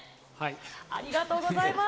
ありがとうございます。